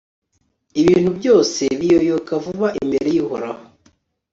ibintu byose biyoyoka vuba imbere y'uhoraho